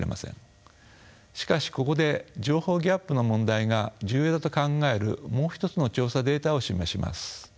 しかしここで情報ギャップの問題が重要だと考えるもう一つの調査データを示します。